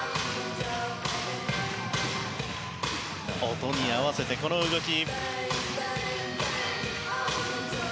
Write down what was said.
音に合わせて、この動き。